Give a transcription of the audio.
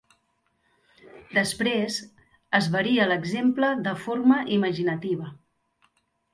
Després, es varia l"exemple de forma imaginativa.